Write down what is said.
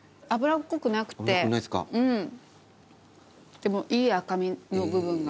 でもいい赤身の部分が。